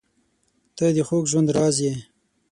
• ته د خوږ ژوند راز یې.